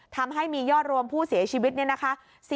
ทำให้มียอดรวมผู้เสียชีวิตเนี่ยนะคะ